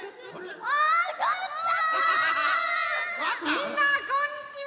みんなこんにちは！